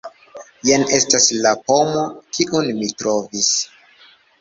Jen estas la pomo, kiun mi trovis.